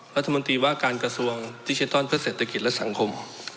รัฐมนตรีว่าการกระทรวงดิจิทัลเพื่อเศรษฐกิจและสังคม